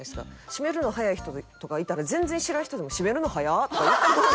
閉めるの早い人とかいたら全然知らん人でも「閉めるの早っ」とか言ってまうんですよ。